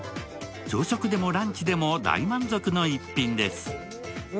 朝食でもランチでも大満足の一品です。